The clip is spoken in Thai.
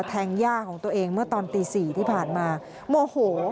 ย่าของตัวเองเมื่อตอนตีสี่ที่ผ่านมาโมโห